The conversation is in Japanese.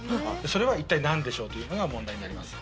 それは一体何でしょう？というのが問題になります。